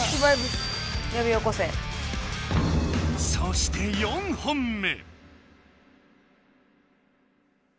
そして４本目。